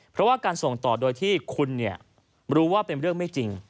เพราะว่าการส่งต่อโดยที่คุณรู้ว่าเป็นเรื่องไม่จริง